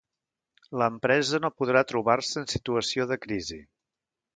L'empresa no podrà trobar-se en situació de crisi.